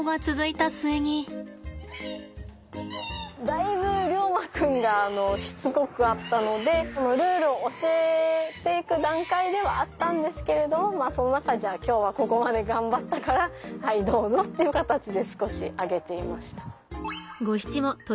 だいぶリョウマ君がしつこかったのでルールを教えていく段階ではあったんですけれどもその中でじゃあ今日はここまで頑張ったからはいどうぞっていう形で少しあげていました。